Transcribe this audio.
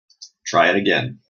Try it again.